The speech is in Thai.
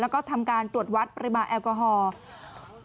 แล้วก็ทำการตรวจวัดปริมาณแอลกอฮอล์